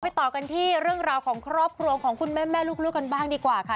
ต่อกันที่เรื่องราวของครอบครัวของคุณแม่แม่ลูกกันบ้างดีกว่าค่ะ